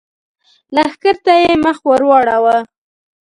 لښکر ته يې مخ ور واړاوه!